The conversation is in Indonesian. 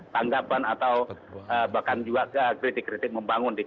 tanggapan atau bahkan juga kritik kritik membangun